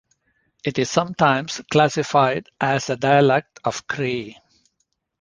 It is sometimes classified as a dialect of Cree.